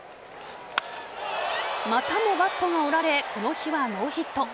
またもバットが折られこの日はノーヒット。